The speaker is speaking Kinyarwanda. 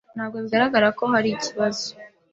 Ntabwo bigaragara ko hari ikibazo.